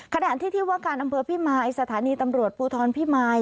ขณะที่ที่ว่าการอำเภอพิมายสถานีตำรวจภูทรพิมาย